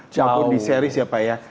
campur di series ya pak ya